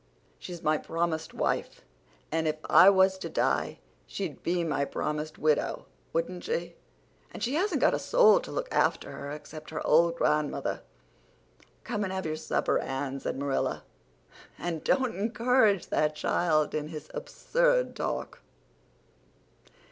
"She's my promised wife, and if I was to die she'd be my promised widow, wouldn't she? And she hasn't got a soul to look after her except her old grandmother." "Come and have your supper, Anne," said Marilla, "and don't encourage that child in his absurd talk."